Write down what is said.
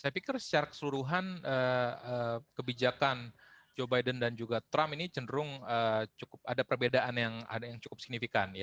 saya pikir secara keseluruhan kebijakan joe biden dan juga trump ini cenderung cukup ada perbedaan yang cukup signifikan